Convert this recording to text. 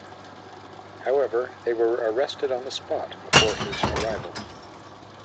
However, they were arrested on the spot before his arrival.